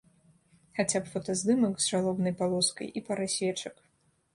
Хаця б фотаздымак з жалобнай палоскай і парай свечак.